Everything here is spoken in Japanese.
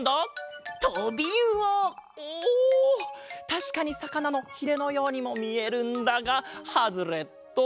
たしかにさかなのひれのようにもみえるんだがハズレット。